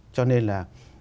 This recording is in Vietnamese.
cho nên là